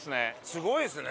すごいですね。